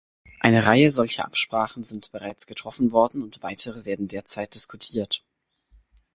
Eine Reihe solcher Absprachen sind bereits getroffen worden und weitere werden derzeit diskutiert.